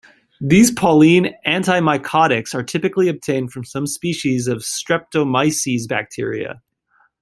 These polyene antimycotics are typically obtained from some species of "Streptomyces" bacteria.